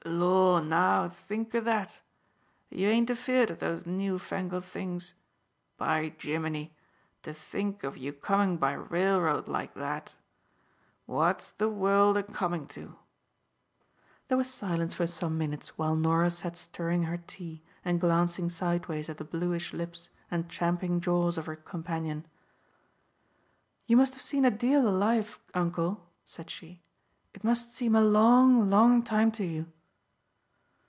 "Lor, now, think o' that! You ain't afeard o' those newfangled things! By Jimini, to think of you comin' by railroad like that! What's the world a comin' to!" There was silence for some minutes while Norah sat stirring her tea and glancing sideways at the bluish lips and champing jaws of her companion. "You must have seen a deal o' life, uncle," said she. "It must seem a long, long time to you!"